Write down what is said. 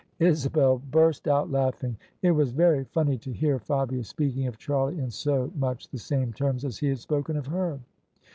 Isabel burst out laughing. It was very funny to hear Fabia speaking of Charlie in so much the same terms as he had spoken of her.